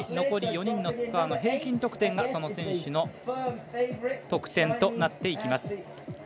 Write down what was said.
残り４人のスコアの平均得点がその選手の得点となっていきます。